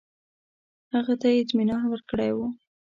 هغه ته یې اطمینان ورکړی وو.